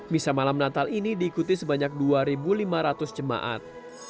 misa malam natal ini diikuti sebanyak dua lima ratus jemaat